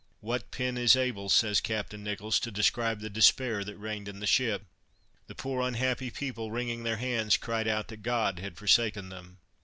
"What pen is able," says Captain Nicholls, "to describe the despair that reigned in the ship!" The poor unhappy people wringing their hands, cried out, "that God had forsaken them."